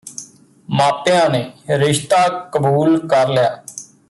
ਮਾਂਪਿਆਂ ਨੇ ਰਿਸ਼ਤਾਂ ਕਬੂਲ ਕਰ ਲਿਆ